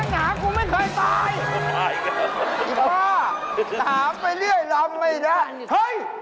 คุณถามไปเลยนะถามคุณไม่เคยต่อย